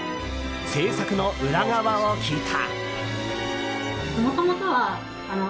制作の裏側を聞いた。